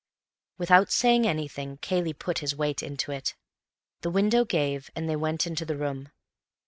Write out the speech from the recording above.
Without saying anything, Cayley put his weight into it. The window gave, and they went into the room.